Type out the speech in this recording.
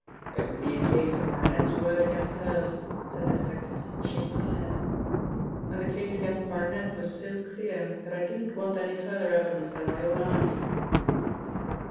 "It would be a case of Barnet's word against hers," said the detective, shaking his head, "and the case against Barnet was so clear that I didn't want any further evidence than my own eyes."